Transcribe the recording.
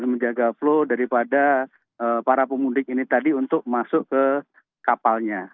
menjaga flow daripada para pemudik ini tadi untuk masuk ke kapalnya